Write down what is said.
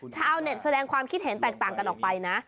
ชาวเน็ตแสดงความคิดเห็นแตกต่างกันออกไปนะ